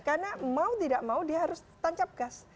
karena mau tidak mau dia harus tancap gas